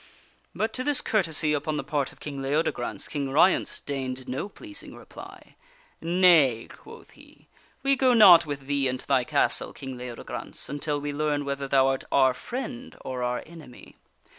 But to this courtesy upon the part of King Leodegrance, King Ryence deigned no pleasing reply. ' Nay," quoth he, " we go not with thee into thy castle, King Leodegrance, until we learn whether thou art our friend or our enemy.